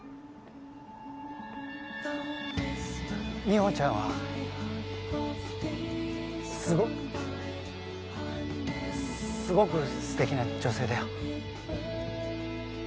美穂ちゃんはすごすごく素敵な女性だよ